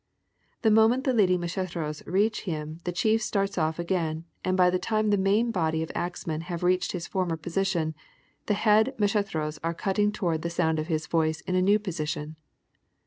The moment the leading macheteros reach him the chief starts off again and by the time the main body of axemen have reached his former position the head macheteros are cutting toward the sound of his voice in a new position.